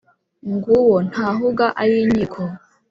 ng’uwo ntahuga ay’inkiko